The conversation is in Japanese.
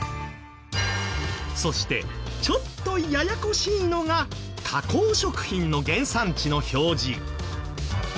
そしてちょっとややこしいのが加工食品の原産地の表示。